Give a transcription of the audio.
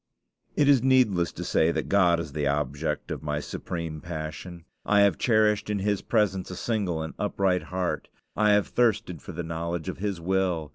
It is needless to say that God is the object of my supreme passion. I have cherished in his presence a single and upright heart. I have thirsted for the knowledge of his will.